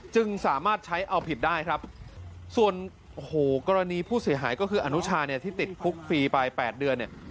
จึงสามารถใช้เอาผิดได้ครับส่วนโอ้โหกรณีผู้เสียหายก็คืออนุชาเนี่ยที่ติดคุกฟรีไป๘เดือนเนี่ย